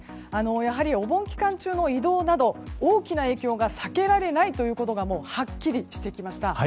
やはりお盆期間中の移動など、大きな影響が避けられないということがはっきりしてきました。